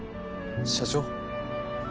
社長？